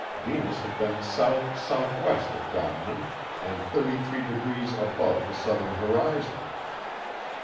Venus had been south southwest of Godman and 33 degrees above the southern horizon.